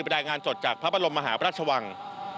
รายงานสดจากพระบรมมหาพระราชวัง